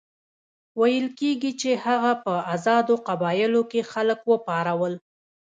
ویل کېږي چې هغه په آزادو قبایلو کې خلک وپارول.